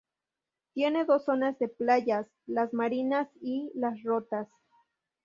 Tiene dos zonas de playas: Las Marinas y Las Rotas.